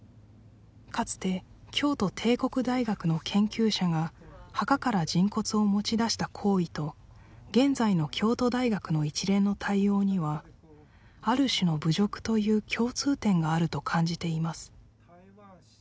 かつて京都帝国大学の研究者が墓から人骨を持ち出した行為と現在の京都大学の一連の対応にはある種の侮辱という共通点があると感じています